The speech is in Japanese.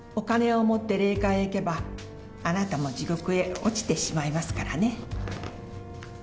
お金を持って霊界へ行けば、あなたも地獄へ落ちてしまいますからね。